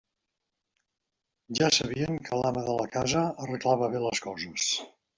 Ja sabien que l'ama de la casa arreglava bé les coses.